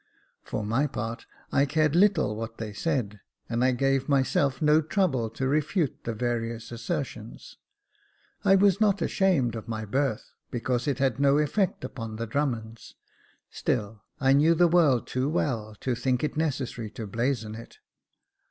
For my part, I cared little what they said, and I gave myself no trouble to refute the various assertions. I was not ashamed of my birth, because it had no effect upon the Drummonds; still, I knew the world too well to think it necessary to blazon it.